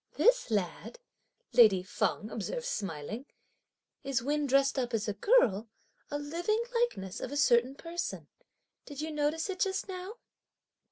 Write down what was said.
"This lad," lady Feng observed smiling, "is when dressed up (as a girl), a living likeness of a certain person; did you notice it just now?"